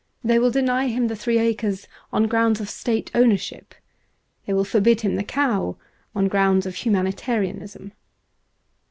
They will deny him the three acres on grounds of State Ownership. They will forbid him the cow on grounds of humani tarianism.